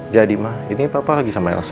jadi ma ini papa lagi sama elsa